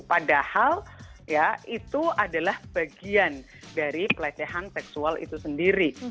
padahal ya itu adalah bagian dari pelecehan seksual itu sendiri